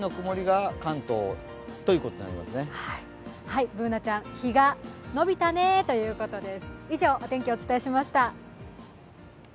Ｂｏｏｎａちゃん、日が延びたねということです。